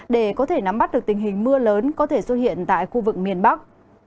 để có thể nắm bắt được tình hình mưa lớn có thể xuất hiện tại khu vực miền bắc